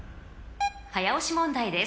［早押し問題です